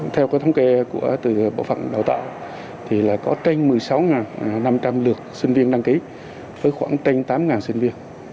theo thống kê từ bộ phận đào tạo thì là có trên một mươi sáu năm trăm linh lượt sinh viên đăng ký với khoảng trên tám sinh viên